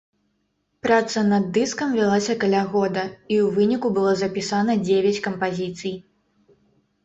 Праца над дыскам вялася каля года, і ў выніку было запісана дзевяць кампазіцый.